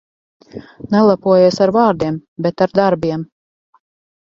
Nelepojies ar vārdiem, bet ar darbiem.